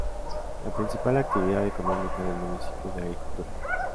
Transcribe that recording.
La principal actividad económica del municipio es la agricultura.